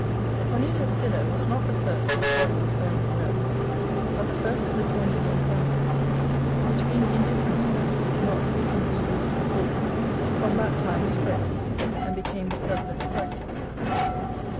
Cornelius Sylla was not the first whose body was burned in Rome, but the first of the Cornelian family; which being indifferently, not frequently used before; from that time spread, and became the prevalent practice.